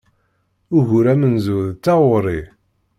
Ugur amenzu d taɣuri.